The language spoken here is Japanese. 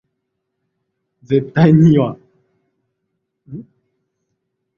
寿司には絶対にならない！